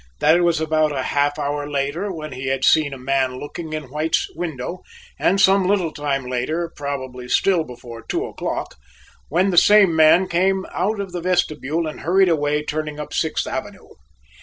That it was about a half hour later when he had seen a man looking in White's window and some little time later, probably still before two o'clock, when the same man came out of the vestibule and hurried away, turning up Sixth Avenue.